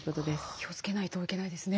気をつけないといけないですね。